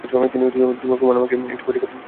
তিনি কুমার নামে একটি পত্রিকা প্রকাশ করেন।